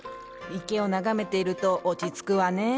池を眺めていると落ち着くわねえ。